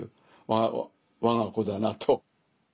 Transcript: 我が子だなと。